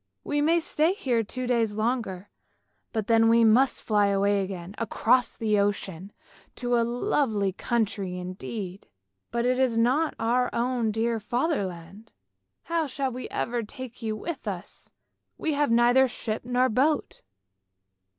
We may stay here two days longer, and then we must fly away again across the ocean, to a lovely country indeed, but it is not our own dear Fatherland ! How shall we ever take you with us, we have neither ship nor boat!